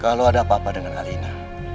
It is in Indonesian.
kalau ada apa apa dengan alina